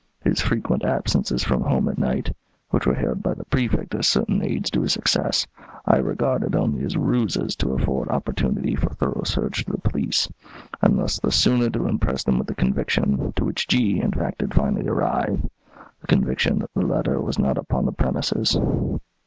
His frequent absences from home at night, which were hailed by the Prefect as certain aids to his success, I regarded only as ruses to afford opportunity for thorough search to the police, and thus the sooner to impress them with the conviction, to which G , in fact, did finally arrive, the conviction that the letter was not upon the premises.